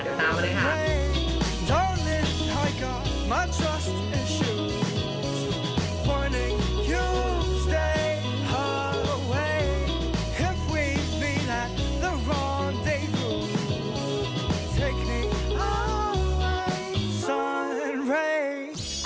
เดี๋ยวตามมานะคะ